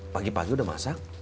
pagi pagi udah masak